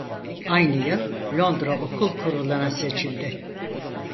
Aynı yıl Londra Okul Kuruluna seçildi.